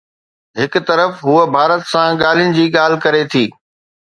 هڪ طرف هوءَ ڀارت سان ڳالهين جي ڳالهه ڪري ٿي.